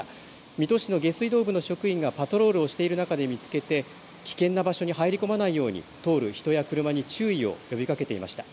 水戸市の下水道部の職員がパトロールをしている中で見つけて危険な場所に入り込まないように通る人や車に注意を呼びかけていました。